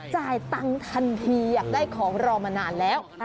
จ่ายตังค์ทันทีอยากได้ของรอมานานแล้ว